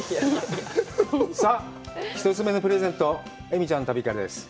さあ、１つ目のプレゼント、映見ちゃんの旅からです。